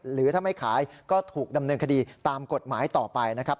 หรือถ้าไม่ขายก็ถูกดำเนินคดีตามกฎหมายต่อไปนะครับ